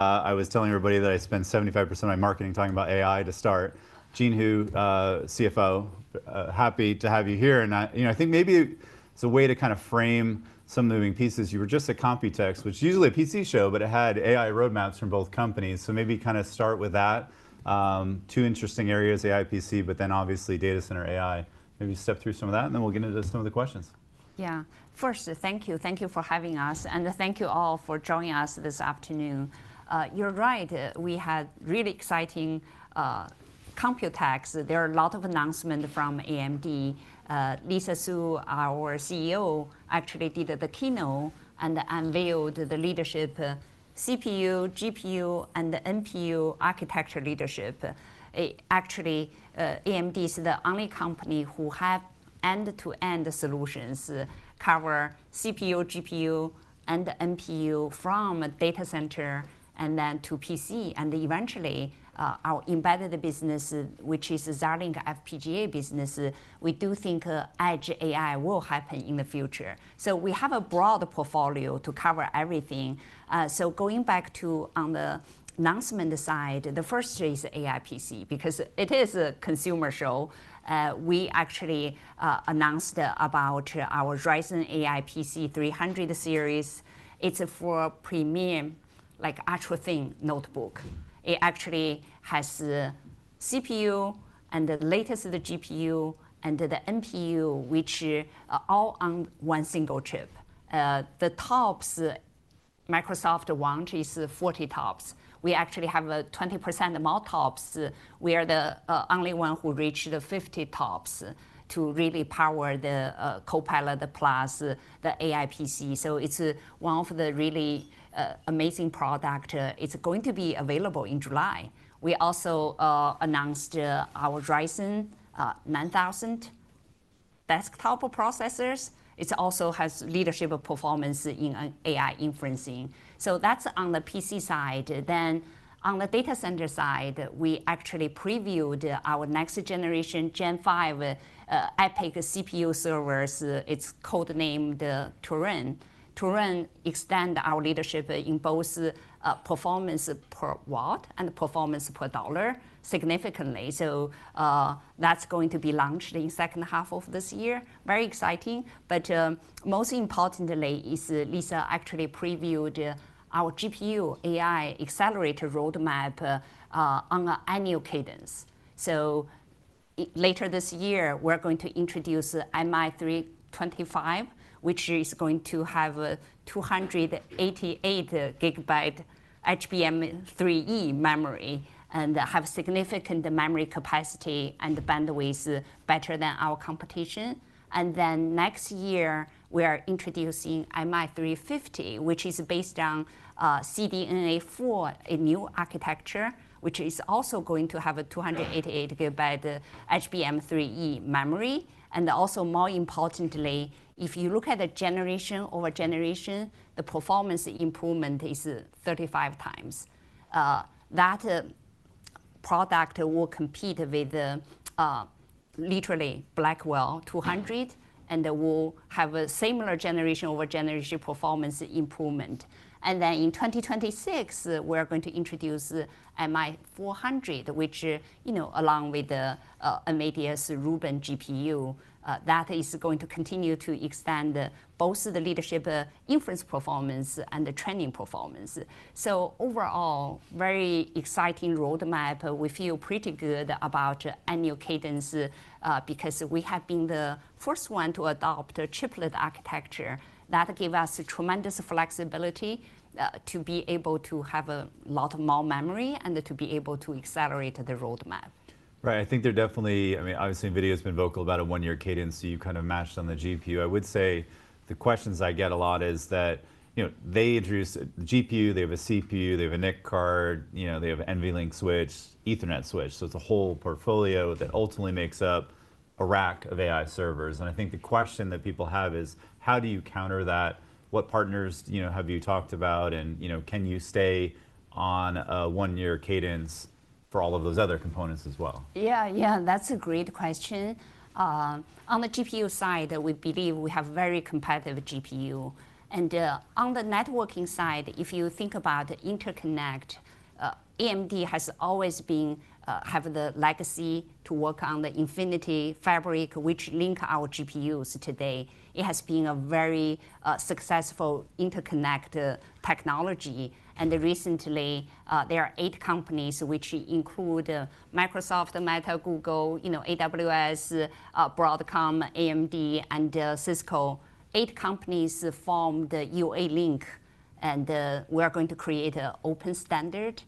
I was telling everybody that I spent 75% of my marketing talking about AI to start. Jean Hu, CFO, happy to have you here, and I, you know, I think maybe as a way to kind of frame some moving pieces, you were just at Computex, which is usually a PC show, but it had AI roadmaps from both companies, so maybe kind of start with that. Two interesting areas, AI PC, but then obviously data center AI. Maybe step through some of that, and then we'll get into some of the questions. Yeah. First, thank you. Thank you for having us, and thank you all for joining us this afternoon. You're right, we had really exciting Computex. There are a lot of announcements from AMD. Lisa Su, our CEO, actually did the keynote and unveiled the leadership CPU, GPU, and NPU architecture leadership. Actually, AMD is the only company who have end-to-end solutions cover CPU, GPU, and NPU from a data center, and then to PC, and eventually our embedded business, which is the Xilinx FPGA business. We do think edge AI will happen in the future. So we have a broad portfolio to cover everything. So going back to on the announcement side, the first is AI PC, because it is a consumer show. We actually announced about our Ryzen AI 300 Series. It's for premium, like, actual thin notebook. It actually has the CPU and the latest of the GPU and the NPU, which are all on one single chip. The TOPS, Microsoft one is the 40 TOPS. We actually have 20% more TOPS. We are the only one who reach the 50 TOPS to really power the Copilot Plus, the AI PC, so it's one of the really amazing product. It's going to be available in July. We also announced our Ryzen 9000 desktop processors. It also has leadership of performance in AI inferencing. So that's on the PC side. Then on the data center side, we actually previewed our next generation Gen 5 EPYC CPU servers. It's codenamed Turin. Turin extend our leadership in both, performance per watt and performance per dollar significantly, so, that's going to be launched in second half of this year. Very exciting, but, most importantly is Lisa actually previewed, our GPU AI accelerator roadmap, on an annual cadence. So later this year, we're going to introduce the MI325, which is going to have 288 GB HBM3E memory and have significant memory capacity and bandwidth better than our competition. And then next year, we are introducing MI350, which is based on, CDNA 4, a new architecture, which is also going to have a 288 GB HBM3E memory. And also, more importantly, if you look at the generation over generation, the performance improvement is 35x. That product will compete with, literally Blackwell 200, and they will have a similar generation over generation performance improvement. And then in 2026, we're going to introduce the MI400, which, you know, along with the NVIDIA's Rubin GPU, that is going to continue to expand both the leadership, inference performance and the training performance. So overall, very exciting roadmap. We feel pretty good about annual cadence, because we have been the first one to adopt a chiplet architecture. That give us a tremendous flexibility, to be able to have a lot more memory and to be able to accelerate the roadmap. Right. I think there definitely. I mean, obviously, NVIDIA's been vocal about a one-year cadence, so you kind of matched on the GPU. I would say the questions I get a lot is that, you know, they introduce a GPU, they have a CPU, they have a NIC card, you know, they have NVLink switch, Ethernet switch, so it's a whole portfolio that ultimately makes up a rack of AI servers. And I think the question that people have is: How do you counter that? What partners, you know, have you talked about, and, you know, can you stay on a one-year cadence for all of those other components as well? Yeah, yeah, that's a great question. On the GPU side, we believe we have very competitive GPU, and, on the networking side, if you think about interconnect, AMD has always been, have the legacy to work on the Infinity Fabric, which link our GPUs today. It has been a very, successful interconnect, technology, and recently, there are 8 companies which include, Microsoft, Meta, Google, you know, AWS, Broadcom, AMD, and, Cisco. 8 companies formed the UALink, and, we are going to create an open standard.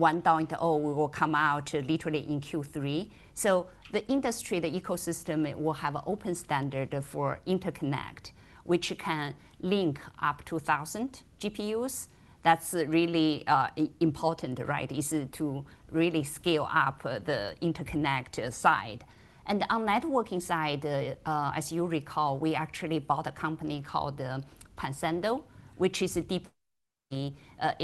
1.0 will come out literally in Q3. So the industry, the ecosystem, it will have an open standard for interconnect, which can link up to 1,000 GPUs. That's really, important, right, is to really scale up, the interconnect side. On the networking side, as you recall, we actually bought a company called Pensando, which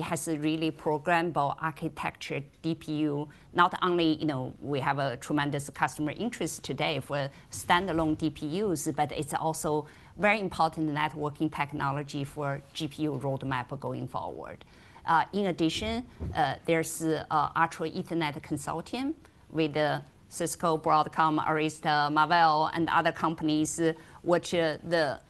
has a really programmable architecture DPU. Not only, you know, we have a tremendous customer interest today for standalone DPUs, but it's also very important networking technology for GPU roadmap going forward. In addition, there's an Ultra Ethernet Consortium with Cisco, Broadcom, Arista, Marvell, and other companies. What the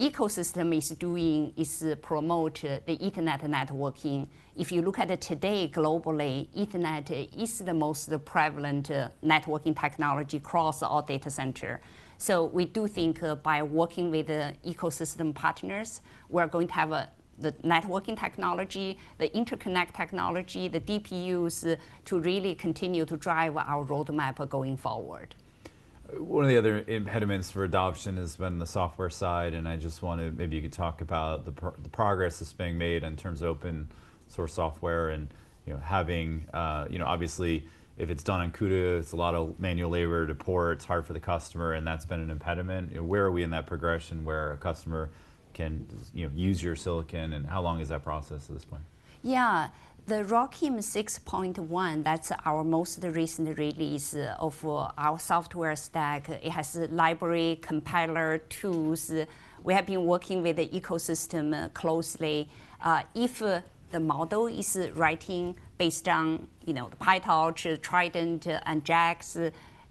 ecosystem is doing is to promote the Ethernet networking. If you look at it today, globally, Ethernet is the most prevalent networking technology across all data centers. So we do think, by working with the ecosystem partners, we're going to have the networking technology, the interconnect technology, the DPUs, to really continue to drive our roadmap going forward. One of the other impediments for adoption has been the software side, and I just wondered if maybe you could talk about the progress that's being made in terms of open source software and, you know, having. You know, obviously, if it's done in CUDA, it's a lot of manual labor to port. It's hard for the customer, and that's been an impediment. You know, where are we in that progression where a customer can you know, use your silicon, and how long is that process at this point? Yeah. The ROCm 6.1, that's our most recent release of our software stack. It has the library, compiler, tools. We have been working with the ecosystem closely. If the model is writing based on, you know, the PyTorch, Triton, and JAX,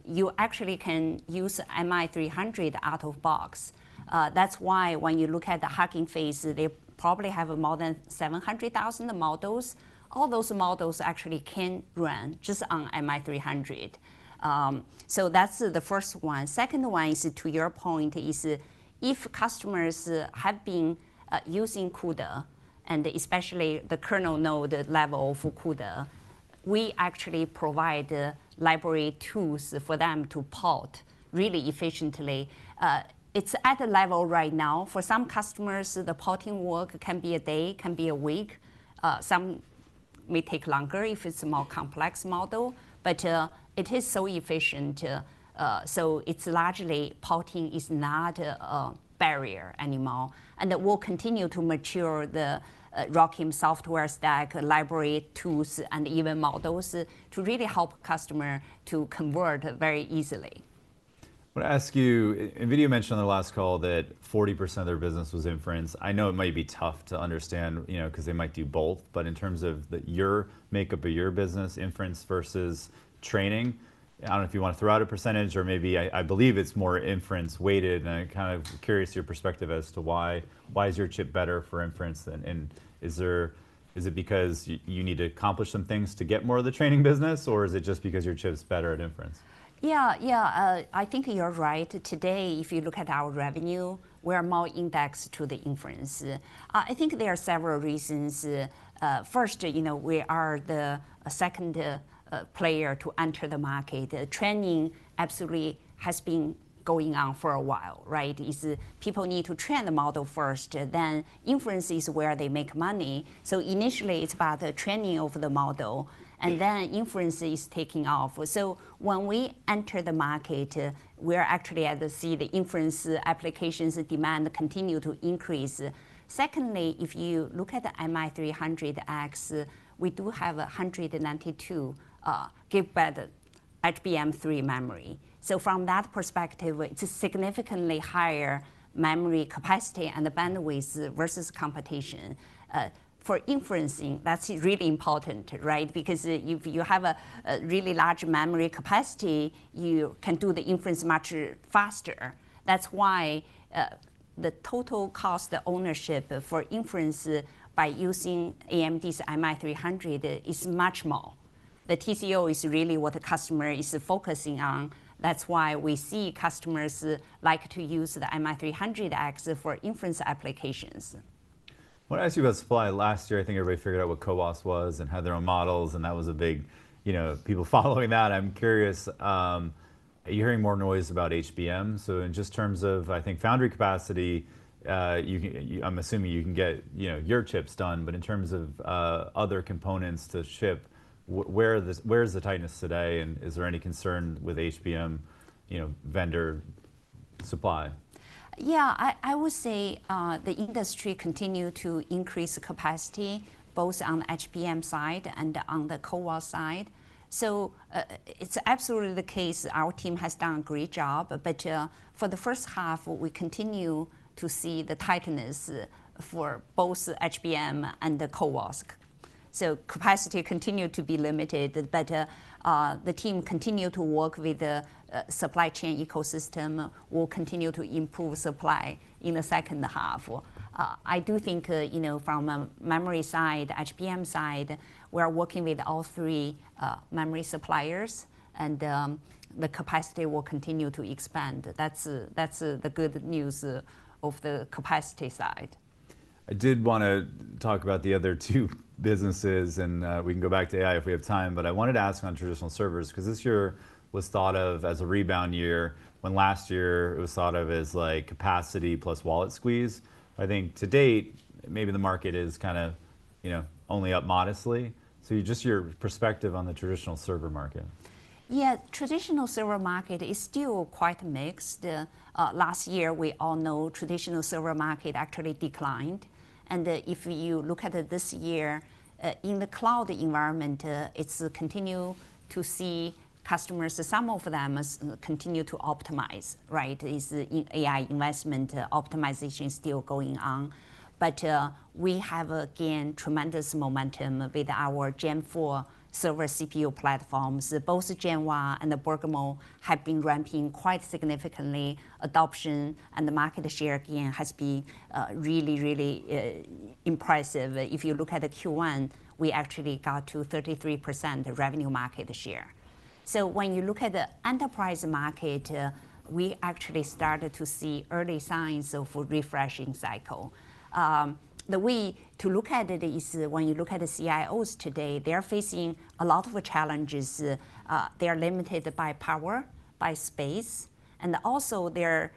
you actually can use MI300 out of box. That's why when you look at the Hugging Face, they probably have more than 700,000 models. All those models actually can run just on MI300. So that's the first one. Second one is, to your point, is if customers have been using CUDA, and especially the kernel node level for CUDA, we actually provide the library tools for them to port really efficiently. It's at a level right now, for some customers, the porting work can be a day, can be a week. Some may take longer if it's a more complex model, but it is so efficient. So it's largely porting is not a barrier anymore, and it will continue to mature, the ROCm software stack, library, tools, and even models, to really help customer to convert very easily. I want to ask you, NVIDIA mentioned on the last call that 40% of their business was inference. I know it might be tough to understand, you know, because they might do both, but in terms of your makeup of your business, inference versus training, I don't know if you want to throw out a percentage or maybe I believe it's more inference-weighted, and I'm kind of curious your perspective as to why. Why is your chip better for inference, and is it because you need to accomplish some things to get more of the training business or is it just because your chip's better at inference? Yeah, yeah. I think you're right. Today, if you look at our revenue, we're more indexed to the inference. I think there are several reasons. First, you know, we are the second player to enter the market. Training absolutely has been going on for a while, right? As people need to train the model first, then inference is where they make money. So initially, it's about the training of the model, and then inference is taking off. So when we entered the market, we're actually able to see the inference applications and demand continue to increase. Secondly, if you look at the MI300X, we do have 192 GB HBM3 memory. So from that perspective, it's a significantly higher memory capacity and the bandwidth versus computation. For inferencing, that's really important, right? Because if you have a really large memory capacity, you can do the inference much faster. That's why, the total cost of ownership for inference by using AMD's MI300 is much more. The TCO is really what the customer is focusing on. That's why we see customers like to use the MI300X for inference applications. I want to ask you about supply. Last year, I think everybody figured out what CoWoS was and had their own models, and that was a big. You know, people following that. I'm curious, are you hearing more noise about HBM? So in just terms of, I think, foundry capacity, I'm assuming you can get, you know, your chips done, but in terms of, other components to ship, where is the tightness today, and is there any concern with HBM, you know, vendor supply? Yeah. I would say the industry continue to increase the capacity both on the HBM side and on the CoWoS side. So, it's absolutely the case that our team has done a great job, but for the first half, we continue to see the tightness for both the HBM and the CoWoS. So capacity continue to be limited, but the team continue to work with the supply chain ecosystem, will continue to improve supply in the second half. I do think you know, from a memory side, HBM side, we are working with all three memory suppliers, and the capacity will continue to expand. That's that's the good news of the capacity side. I did wanna talk about the other two businesses, and we can go back to AI if we have time. But I wanted to ask on traditional servers, 'cause this year was thought of as a rebound year, when last year it was thought of as, like, capacity plus wallet squeeze. I think to date, maybe the market is kind of, you know, only up modestly. So you- just your perspective on the traditional server market. Yeah, traditional server market is still quite mixed. Last year, we all know traditional server market actually declined, and if you look at it this year, in the cloud environment, it's continue to see customers, some of them, continue to optimize, right? Is the AI investment optimization still going on? But we have, again, tremendous momentum with our Gen 4 server CPU platforms. Both the Genoa and the Bergamo have been ramping quite significantly. Adoption and the market share, again, has been really, really impressive. If you look at the Q1, we actually got to 33% revenue market share. So when you look at the enterprise market, we actually started to see early signs of a refreshing cycle. The way to look at it is when you look at the CIOs today, they're facing a lot of challenges. They are limited by power, by space, and also they're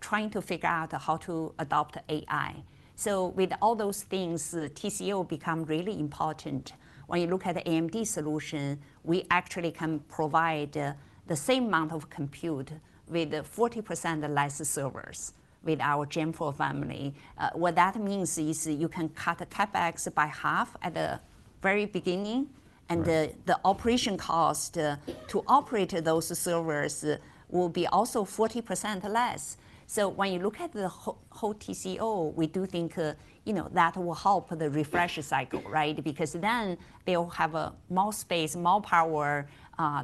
trying to figure out how to adopt AI. So with all those things, the TCO become really important. When you look at the AMD solution, we actually can provide the same amount of compute with the 40% less servers with our Gen 4 family. What that means is you can cut the CapEx by half at the very beginning and the operation cost to operate those servers will be also 40% less. So when you look at the whole TCO, we do think, you know, that will help the refresh cycle, right? Because then they'll have more space, more power,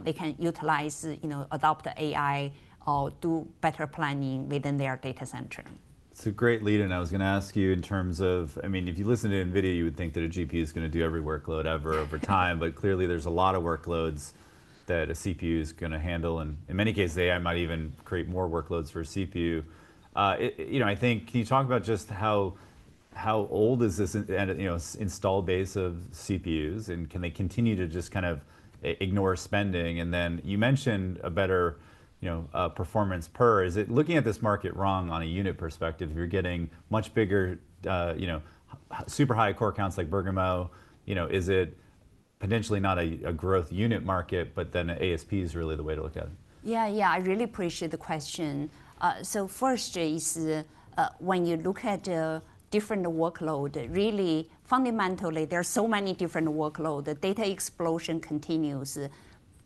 they can utilize, you know, adopt the AI or do better planning within their data center. It's a great lead-in. I was gonna ask you, in terms of, I mean, if you listen to NVIDIA, you would think that a GPU is gonna do every workload ever over time. But clearly there's a lot of workloads that a CPU is gonna handle, and in many cases, AI might even create more workloads for CPU. You know, can you talk about just how old is this and, you know, installed base of CPUs, and can they continue to just kind of ignore spending? And then you mentioned a better, you know, performance per. Is it looking at this market wrong on a unit perspective? You're getting much bigger, you know, super high core counts like Bergamo. You know, is it potentially not a growth unit market, but then ASP is really the way to look at it? Yeah, yeah, I really appreciate the question. So first, Jason, when you look at different workload, really fundamentally, there are so many different workload. The data explosion continues.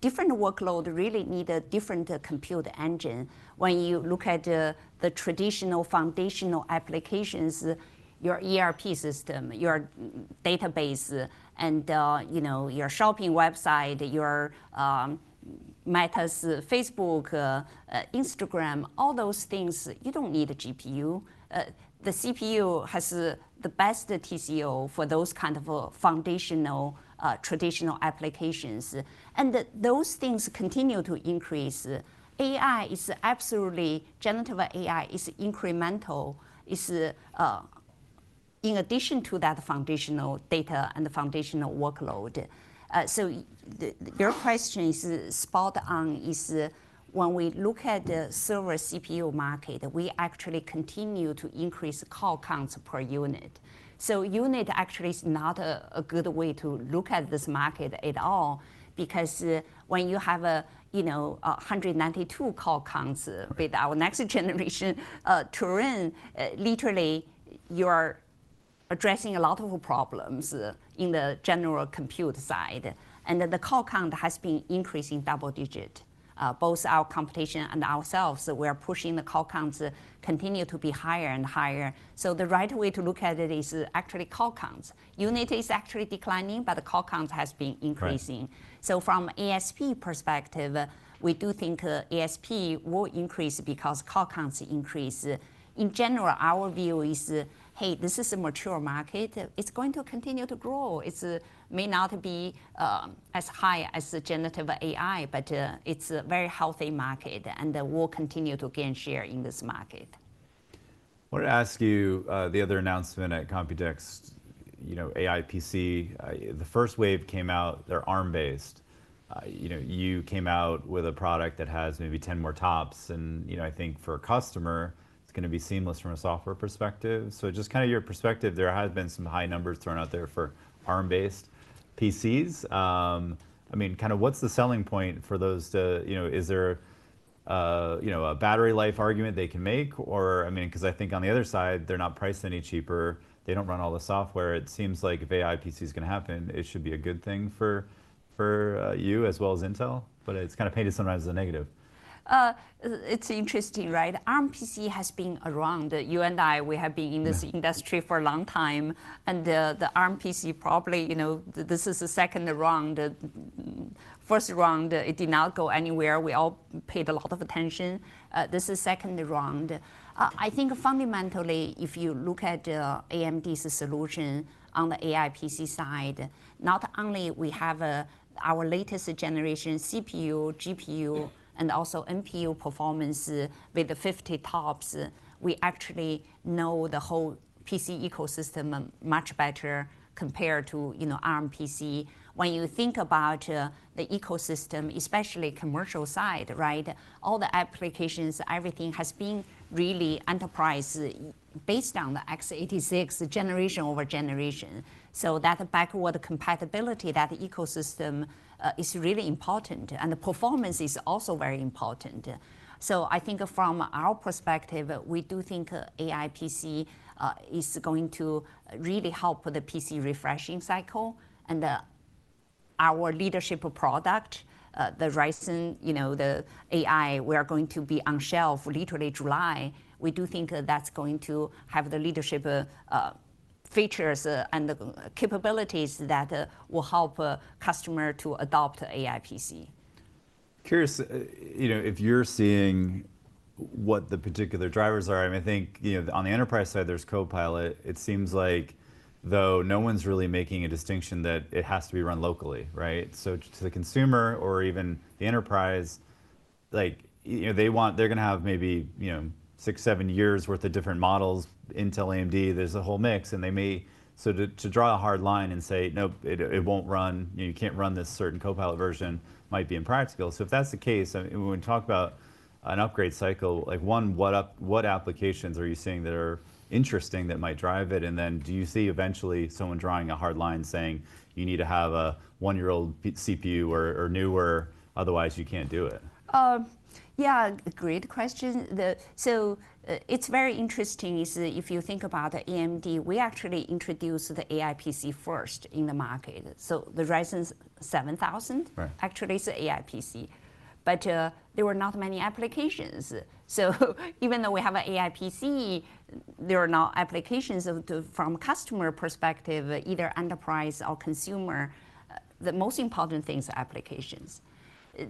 Different workload really need a different compute engine. When you look at the traditional foundational applications, your ERP system, your database, and you know, your shopping website, your Meta's Facebook, Instagram, all those things, you don't need a GPU. The CPU has the best TCO for those kind of foundational traditional applications, and those things continue to increase. AI is absolutely. Generative AI is incremental, is in addition to that foundational data and the foundational workload. So your question is spot on, is when we look at the server CPU market, we actually continue to increase core counts per unit. So unit actually is not a good way to look at this market at all, because, when you have a, you know, 192 core counts with our next generation Turin, literally, you are addressing a lot of problems in the general compute side. And the core count has been increasing double digit. Both our competition and ourselves, we are pushing the core counts continue to be higher and higher. So the right way to look at it is actually core counts. Unit is actually declining, but the core counts has been increasing. Right. So from ASP perspective, we do think ASP will increase because core counts increase. In general, our view is, "Hey, this is a mature market. It's going to continue to grow. It may not be as high as the generative AI, but it's a very healthy market, and we'll continue to gain share in this market. I wanted to ask you, the other announcement at Computex, you know, AI PC, the first wave came out, they're Arm-based. You know, you came out with a product that has maybe 10 more TOPS, and, you know, I think for a customer, it's gonna be seamless from a software perspective. So just kind of your perspective, there has been some high numbers thrown out there for Arm-based PCs. I mean, kind of what's the selling point for those too, you know, is there, you know, a battery life argument they can make? Or, I mean, 'cause I think on the other side, they're not priced any cheaper, they don't run all the software. It seems like if AI PC is gonna happen, it should be a good thing for you as well as Intel, but it's kind of painted sometimes as a negative. It's interesting, right? Arm PC has been around. You and I, we have been in this industry for a long time, and the Arm PC probably, you know, this is the second round, first round, it did not go anywhere. We all paid a lot of attention. This is second round. I think fundamentally, if you look at, AMD's solution on the AI PC side, not only we have, our latest generation CPU, GPU, and also NPU performance with the 50 TOPS, we actually know the whole PC ecosystem, much better compared to, you know, Arm PC. When you think about, the ecosystem, especially commercial side, right, all the applications, everything has been really enterprise-based on the x86 generation over generation. So that backward compatibility, that ecosystem, is really important, and the performance is also very important. So I think from our perspective, we do think AI PC is going to really help with the PC refreshing cycle, and our leadership product, the Ryzen, you know, the AI, we are going to be on shelf literally July. We do think that that's going to have the leadership features and the capabilities that will help a customer to adopt AI PC. Curious, you know, if you're seeing what the particular drivers are. I mean, I think, you know, on the enterprise side, there's Copilot. It seems like, though, no one's really making a distinction that it has to be run locally, right? So to the consumer or even the enterprise, like, you know, they're gonna have maybe, you know, six, seven years' worth of different models, Intel, AMD, there's a whole mix, and they may. So to draw a hard line and say, "Nope, it won't run, you know, you can't run this certain Copilot version," might be impractical. So if that's the case, and when we talk about an upgrade cycle, like, what applications are you seeing that are interesting that might drive it? And then do you see eventually someone drawing a hard line, saying, "You need to have a one-year-old PC or newer, otherwise you can't do it? Yeah, great question. It's very interesting, is if you think about AMD, we actually introduced the AI PC first in the market, so the Ryzen 7000- Right actually is a AI PC. But there were not many applications. So even though we have a AI PC, there are not applications of the, from customer perspective, either enterprise or consumer. The most important thing is applications.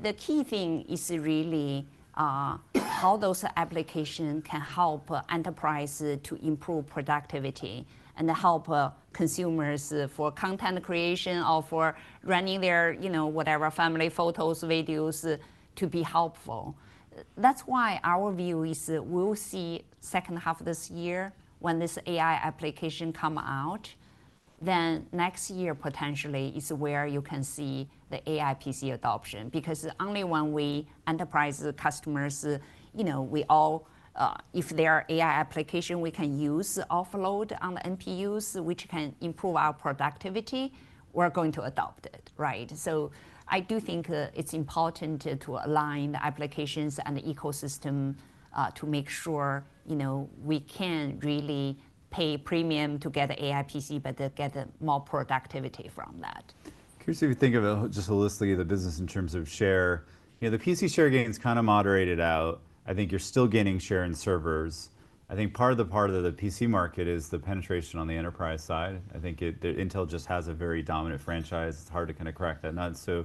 The key thing is really how those application can help enterprise to improve productivity and to help consumers for content creation or for running their, you know, whatever, family photos, videos, to be helpful. That's why our view is that we'll see second half of this year, when this AI application come out, then next year potentially is where you can see the AI PC adoption. Because only when we, enterprise, the customers, you know, we all, if there are AI application we can use to offload on the NPUs, which can improve our productivity, we're going to adopt it, right? I do think it's important to align the applications and the ecosystem to make sure, you know, we can't really pay a premium to get the AI PC, but to get more productivity from that. Curious, if you think about just holistically the business in terms of share, you know, the PC share gain's kind of moderated out. I think you're still gaining share in servers. I think part of the PC market is the penetration on the enterprise side. I think the Intel just has a very dominant franchise. It's hard to kind of crack that nut. So,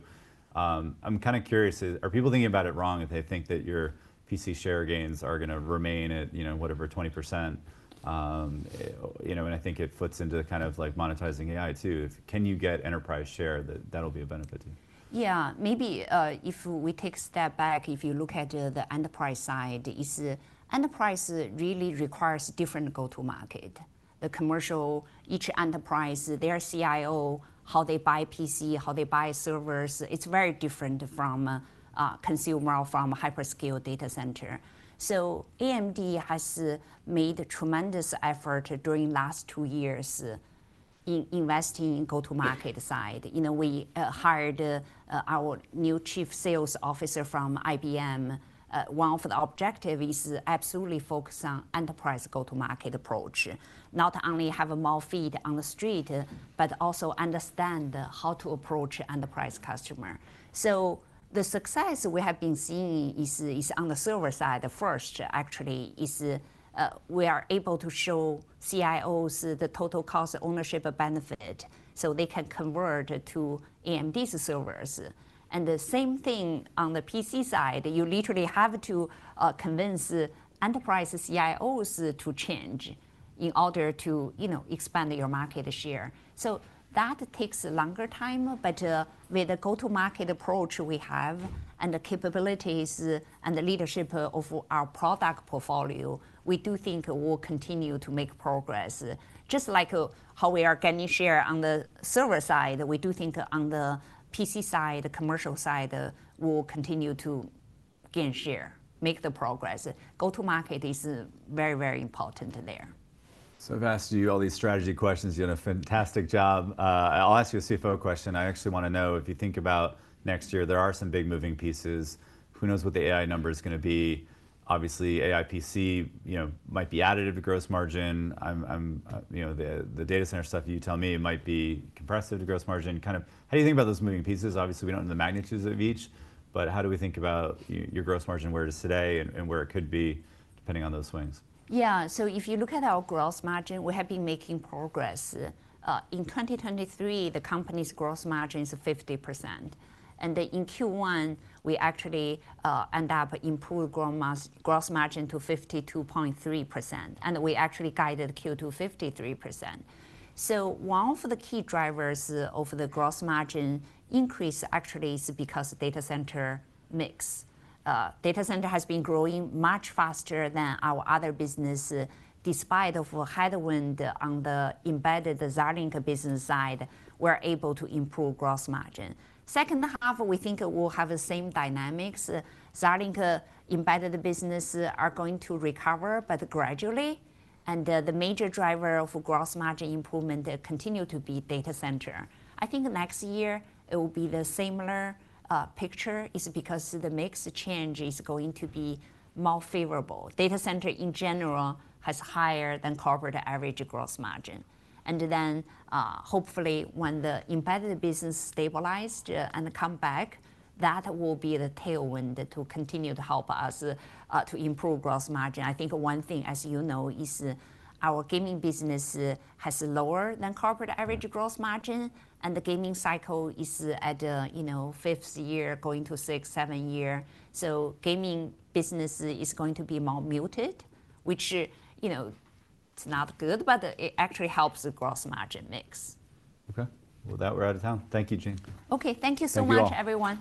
I'm kind of curious, are people thinking about it wrong if they think that your PC share gains are gonna remain at, you know, whatever, 20%? You know, and I think it fits into the kind of, like, monetizing AI, too. Can you get enterprise share? That'll be a benefit to you. Yeah. Maybe, if we take a step back, if you look at the enterprise side, is the enterprise really requires different go-to-market. The commercial, each enterprise, their CIO, how they buy PC, how they buy servers, it's very different from a consumer or from a hyperscale data center. So AMD has made a tremendous effort during last two years in investing in go-to-market side. You know, we hired our new chief sales officer from IBM. One of the objective is absolutely focus on enterprise go-to-market approach, not only have a more feet on the street, but also understand how to approach enterprise customer. So the success we have been seeing is, is on the server side first, actually, is we are able to show CIOs the total cost of ownership a benefit so they can convert to AMD's servers. The same thing on the PC side, you literally have to convince the enterprise CIOs to change in order to, you know, expand your market share. So that takes a longer time, but with the go-to-market approach we have and the capabilities and the leadership of our product portfolio, we do think we'll continue to make progress. Just like how we are gaining share on the server side, we do think on the PC side, the commercial side, we will continue to gain share, make the progress. Go-to-market is very, very important there. So I've asked you all these strategy questions. You've done a fantastic job. I'll ask you a CFO question. I actually want to know, if you think about next year, there are some big moving pieces. Who knows what the AI number is going to be? Obviously, AI PC, you know, might be additive to gross margin. I'm, you know, the, the data center stuff you tell me might be compressive to gross margin. Kind of how do you think about those moving pieces? Obviously, we don't know the magnitudes of each, but how do we think about your gross margin, where it is today and, and where it could be, depending on those swings? Yeah. So if you look at our gross margin, we have been making progress. In 2023, the company's gross margin is 50%, and in Q1, we actually end up improved gross margin to 52.3%, and we actually guided Q2 53%. So one of the key drivers of the gross margin increase actually is because data center mix. Data center has been growing much faster than our other business. Despite of a headwind on the embedded Xilinx business side, we're able to improve gross margin. Second half, we think it will have the same dynamics. Xilinx embedded business are going to recover, but gradually, and the major driver of gross margin improvement continue to be data center. I think next year it will be the similar picture, is because the mix change is going to be more favorable. Data center in general has higher-than-corporate average gross margin. Then, hopefully, when the embedded business stabilized and come back, that will be the tailwind to continue to help us, to improve gross margin. I think one thing, as you know, is our gaming business, has a lower-than-corporate average gross margin, and the gaming cycle is at, you know, fifth year, going to six, seven year. Gaming business is going to be more muted, which, you know, it's not good, but it actually helps the gross margin mix. Okay. Well, with that, we're out of time. Thank you, Jean. Okay, thank you so much, everyone.